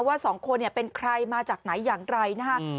ว่า๒คนเนี่ยเป็นใครมาจากไหนอย่างไรนะคะ